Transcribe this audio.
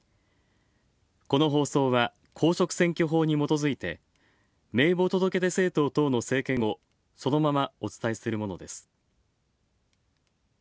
この放送は公職選挙法にもとづいて名簿届出政党等の政見をそのままお伝えするものです。